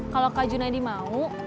kalau kak junedi mau